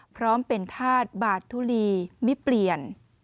พร้อมเป็นธาตุบาดทุลีมิเปลี่ยน